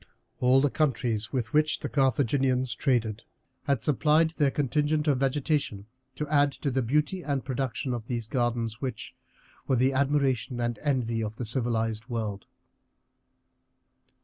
All the countries with which the Carthaginians traded had supplied their contingent of vegetation to add to the beauty and production of these gardens, which were the admiration and envy of the civilized world.